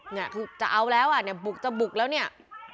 เนี่ยคือจะเอาแล้วอ่ะเนี่ยบุกจะบุกแล้วเนี่ย